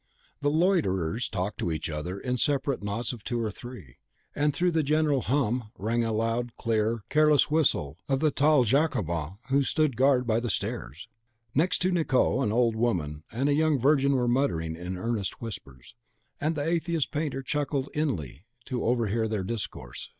The loiterers talked to each other in separate knots of two and three; and through the general hum rang the clear, loud, careless whistle of the tall Jacobin who stood guard by the stairs. Next to Nicot, an old woman and a young virgin were muttering in earnest whispers, and the atheist painter chuckled inly to overhear their discourse.